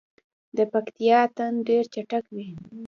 د پکتیا اتن ډیر چټک وي.